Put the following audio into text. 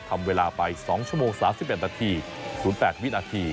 ทำเวลาไป๒ชั่วโมง๓๑นาที๐๘วินาที